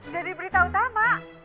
jadi berita utama